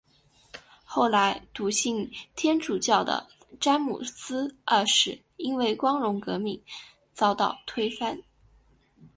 后来笃信天主教的詹姆斯二世因为光荣革命遭到推翻。